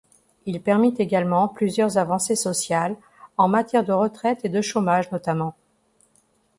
Il permit également plusieurs avancées sociales en matière de retraites et de chômage notamment.